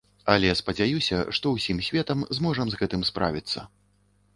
Але я спадзяюся, што ўсім светам зможам з гэтым справіцца.